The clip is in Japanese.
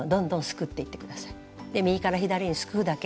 で右から左にすくうだけ。